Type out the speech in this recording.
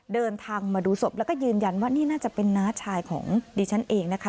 เดินทางมาดูศพแล้วก็ยืนยันว่านี่น่าจะเป็นน้าชายของดิฉันเองนะคะ